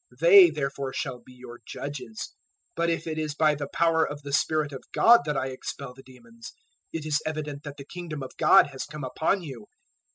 They therefore shall be your judges. 012:028 But if it is by the power of the Spirit of God that I expel the demons, it is evident that the Kingdom of God has come upon you.